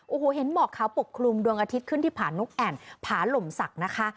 โอ้โหเห็นหมอกขาวปกคลุมดวงอาทิตย์ขึ้นที่ผานกแอ่นผาหล่มศักดิ์นะคะ